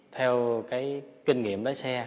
theo cái kinh nghiệm lái xe